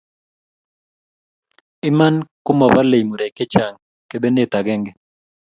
Iman komobolei murek chechang kebenet agenge